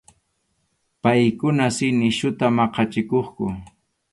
Paykuna si nisyuta maqachikuqku.